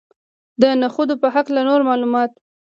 د نخودو په هکله نور معلومات.